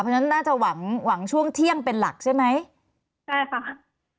เพราะฉะนั้นน่าจะหวังหวังช่วงเที่ยงเป็นหลักใช่ไหมใช่ค่ะ